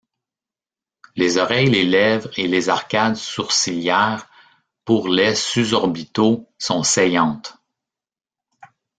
Les oreilles, les lèvres et les arcades sourcilières – bourrelets sus-orbitaux – sont saillantes.